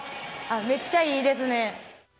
めっちゃいいですね。